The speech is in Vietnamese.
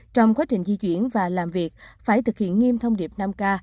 trong quá trình di chuyển và làm việc phải thực hiện nghiêm thông điệp năm k